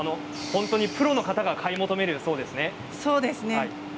プロの方が買い求めるそうですね。